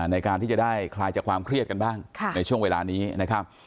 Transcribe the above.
ในการที่จะได้คลายจากความเครียดกันบ้างในช่วงเวลานี้นะครับ